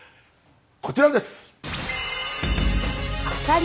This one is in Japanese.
こちらです！